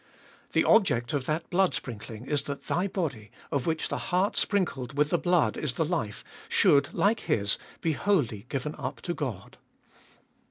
The object of that blood sprinkling is that thy body, of which the heart sprinkled with the blood is the life, should, like His, be wholly given up to God.